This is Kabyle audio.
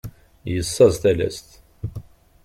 Yessaẓ talast.